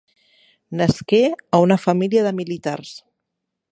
Nasqué a una família de militars.